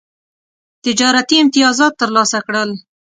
تجارتي امتیازات ترلاسه کړل.